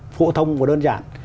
phổ thông và đơn giản